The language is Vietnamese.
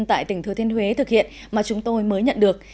tại tỉnh thừa thiên huế thực hiện mà chúng tôi mới nhận được